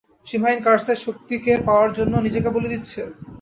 সীমাহীন কার্সের শক্তিকে পাওয়ার জন্য নিজেকে বলি দিচ্ছে?